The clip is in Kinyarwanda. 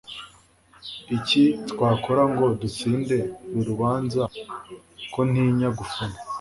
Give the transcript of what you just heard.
iki twakora ngo dutsinde uru rubanza ko ntinya gufungwa